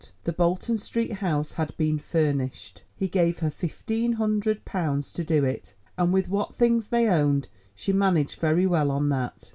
The Bolton Street house had been furnished; he gave her fifteen hundred pounds to do it, and with what things they owned she managed very well on that.